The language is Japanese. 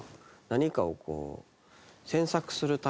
何かをこう。